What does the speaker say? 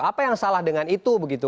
apa yang salah dengan itu begitu